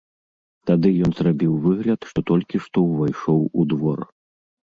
Тады ён зрабіў выгляд, што толькі што ўвайшоў у двор.